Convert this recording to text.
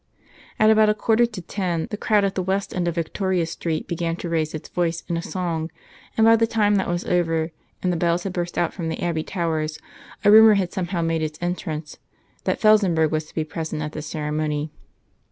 At about a quarter to ten the crowd at the west end of Victoria Street began to raise its voice in a song, and by the time that was over, and the bells had burst out from the Abbey towers, a rumour had somehow made its entrance that Felsenburgh was to be present at the ceremony.